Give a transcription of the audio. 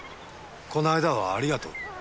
この間はありがとう。